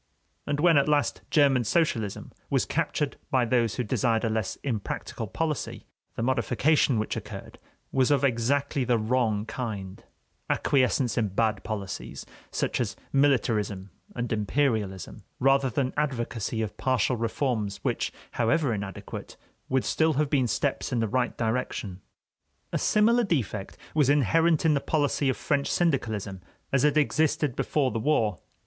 And when, at last, German socialism was captured by those who desired a less impracticable policy, the modification which occurred was of exactly the wrong kind: acquiescence in bad policies, such as militarism and imperialism, rather than advocacy of partial reforms which, however inadequate, would still have been steps in the right direction. A similar defect was inherent in the policy of French syndicalism as it existed before the war.